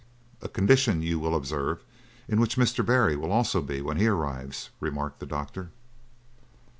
"A condition, you will observe, in which Mr. Barry will also be when he arrives," remarked the doctor.